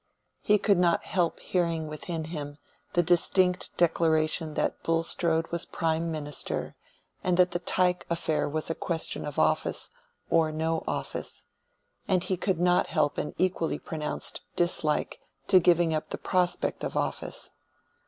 He could not help hearing within him the distinct declaration that Bulstrode was prime minister, and that the Tyke affair was a question of office or no office; and he could not help an equally pronounced dislike to giving up the prospect of office.